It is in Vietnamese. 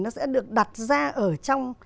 nó sẽ được đặt ra ở trong